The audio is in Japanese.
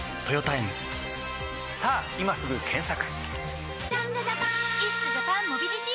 さぁ今すぐ検索！